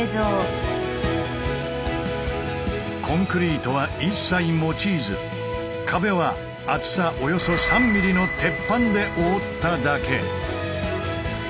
コンクリートは一切用いず壁は厚さおよそ３ｍｍの鉄板で覆っただけ。